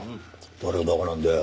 誰が馬鹿なんだよ。